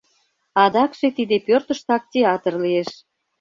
Адакше тиде пӧртыштак театр лиеш.